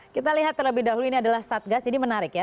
kita lihat terlebih dahulu ini adalah satgas jadi menarik ya